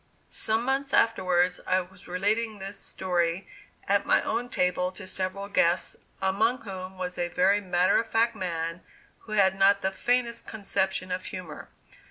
Some months afterwards, I was relating this story at my own table to several guests, among whom was a very matter of fact man who had not the faintest conception of humor.